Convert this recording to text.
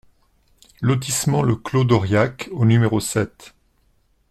Lotissement Le Clos d'Auriac au numéro sept